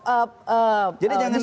jadi jangan dianggap